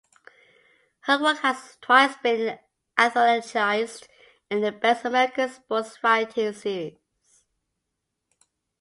Her work has twice been anthologized in the Best American Sports Writing series.